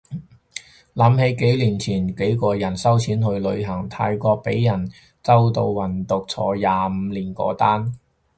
諗起幾年前幾個人收錢去旅行，泰國被人周到運毒坐廿五年嗰單